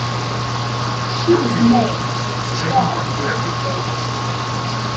She was named for Charles Henry Davis.